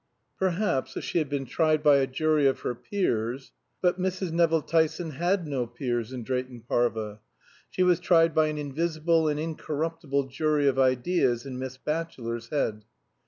Perhaps, if she had been tried by a jury of her peers but Mrs. Nevill Tyson had no peers in Drayton Parva. She was tried by an invisible and incorruptible jury of ideas in Miss Batchelor's head.